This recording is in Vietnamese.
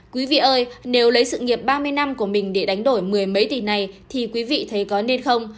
quý vị ơi nếu lấy sự nghiệp ba mươi năm của mình để đánh đổi mười mấy tỷ này thì quý vị thấy có nên không